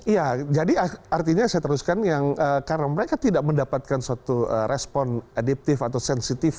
iya jadi artinya saya teruskan yang karena mereka tidak mendapatkan suatu respon adiptif atau sensitif